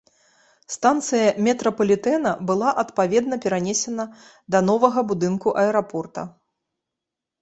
Станцыя метрапалітэна была адпаведна перанесена да новага будынку аэрапорта.